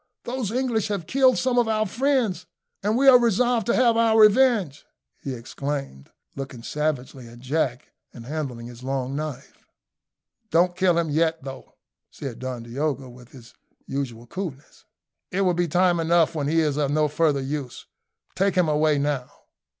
"Those English have killed some of our friends, and we are resolved to have our revenge," he exclaimed, looking savagely at Jack, and handling his long knife. "Don't kill him yet, though," said Don Diogo, with his usual coolness; "it will be time enough when he is of no further use. Take him away now."